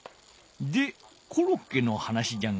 でコロッケの話じゃが。